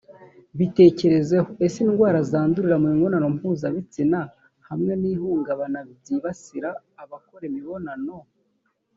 bitekerezeho ese indwara zandurira mu mibonano mpuzabitsina hamwe n ihungabana byibasira abakora imibonano